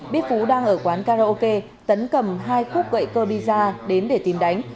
biết phú đang ở quán karaoke tấn cầm hai khúc gậy cơ bì ra đến để tìm đánh